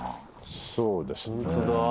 そうですね。